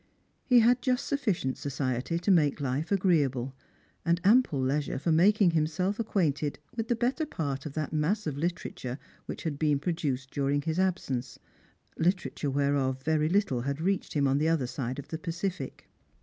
He had just sufficient society to make life agreeable, and ample leisure for making himself acquainted with the better part of that mass of literature which had been produced during his absence ; literature whereof very little had reached him on the other side of the Pacific.